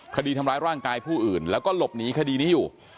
คดีทำร้ายร่างกายผู้อื่นแล้วก็หลบหนีคดีนี้อยู่